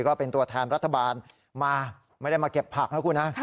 ก็เป็นตัวแทนรัฐบาลมาไม่ได้มาเก็บผักนะคุณฮะ